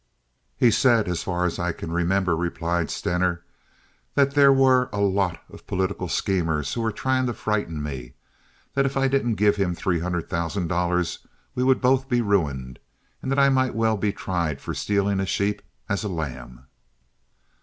"He said, as far as I can remember," replied Stener, "that there were a lot of political schemers who were trying to frighten me, that if I didn't give him three hundred thousand dollars we would both be ruined, and that I might as well be tried for stealing a sheep as a lamb."